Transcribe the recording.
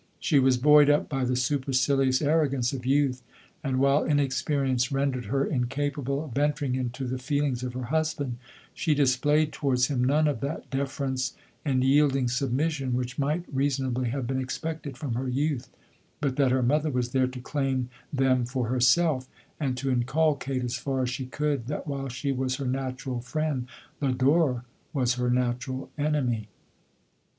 She was buoyed up by the supercilious arrogance of youth ; and while inexperience rendered her incapable of entering into the feelings of her husband, she displayed towards him none of that deference, and yielding submission, which might reason ably have been expected from her youth, but that her mother was there to claim them for LODOKK. 123 herself, and to inculcate, as far as she could, that while she was her natural friend, Lodon was her natural enemy.